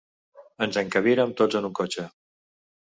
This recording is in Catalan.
Ens encabirem tots en un cotxe.